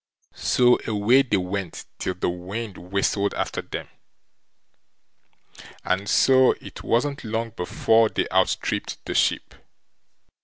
So away they went till the wind whistled after them, and so it wasn't long before they outstripped the ship.